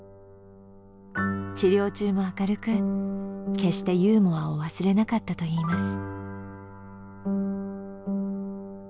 治療中も明るく決してユーモアを忘れなかったといいます。